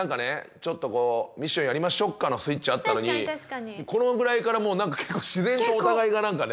ちょっとこうミッションやりましょうかのスイッチあったのにこのぐらいからもうなんか結構自然とお互いがなんかね。